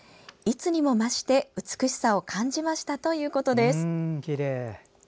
いつにも増して、美しさを感じましたということです。